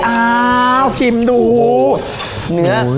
อ้าวชิมดู